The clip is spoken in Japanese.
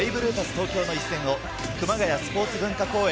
東京の一戦を熊谷スポーツ文化公園